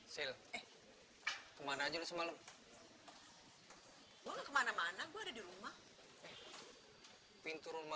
sel sel kemana aja lu semalu kemana mana gue di rumah pintu rumah